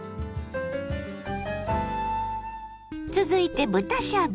続いて豚しゃぶ。